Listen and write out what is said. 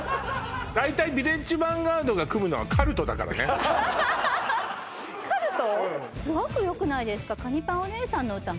大体ヴィレッジヴァンガードが組むのはカルトだからねアハハハハカルト？